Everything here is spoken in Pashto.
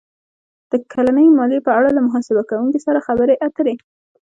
-د کلنۍ مالیې په اړه له محاسبه کوونکي سره خبرې اتر ې